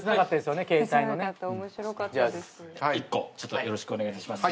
よろしくお願いします。